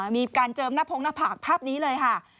มีการเจิมหน้าพงหน้าผากภาพนี้เลยค่ะ